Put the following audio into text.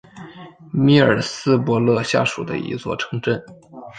米尔斯伯勒下属的一座城镇。